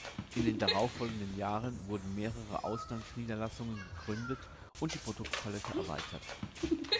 In den darauffolgenden Jahren wurden mehrere Auslandsniederlassungen gegründet und die Produktpalette erweitert.